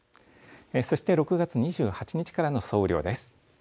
そして６月２８日からの総雨量です。